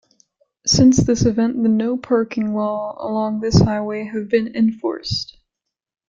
Since this event, the 'no parking' laws along this highway have been enforced.